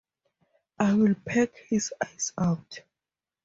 I will peck his eyes out.